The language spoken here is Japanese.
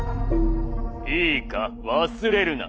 「いいか忘れるな。